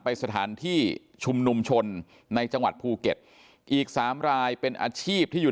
ไปสถานที่ชุมนุมชนในจังหวัดภูเก็ตอีกสามรายเป็นอาชีพที่อยู่